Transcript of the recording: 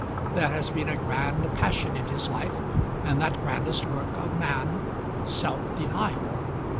There has been a grand passion in his life, and that grandest work of man, self denial.